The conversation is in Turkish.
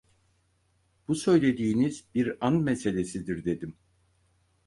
Bu söylediğiniz bir an meselesidir dedim.